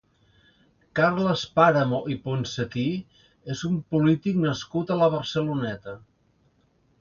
Carles Pàramo i Ponsetí és un polític nascut a la Barceloneta.